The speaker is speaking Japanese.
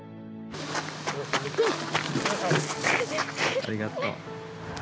ありがとう。